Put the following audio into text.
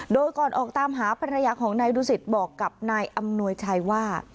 โดยก่อนออกตามหาภรรยาของนายดูสิตบอกกับนายอำนวยชัยว่า